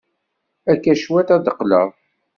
Akka cwiṭ ad d-qqleɣ.